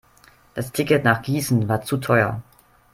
Das Ticket nach Gießen war zu teuer